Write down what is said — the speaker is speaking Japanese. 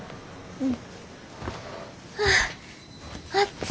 うん。